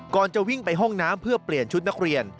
จะวิ่งไปห้องน้ำเพื่อเปลี่ยนชุดนักเรียน